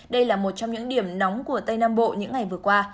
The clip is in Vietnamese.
đây là một trong những điểm nóng của tây nam bộ những ngày vừa qua